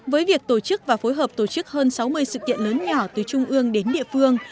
với việc tổ chức và phối hợp tổ chức hơn sáu mươi sự kiện lớn nhỏ từ trung ương đến địa phương